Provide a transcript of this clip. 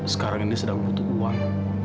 sekarang ini sedang butuh uang